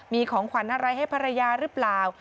มีของขวัญอะไรให้ภรรยาหรือเปล่า